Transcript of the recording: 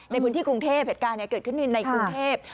ในพื้นที่กรุงเทพเหตุการณ์เกิดขึ้นในกรุงเทพ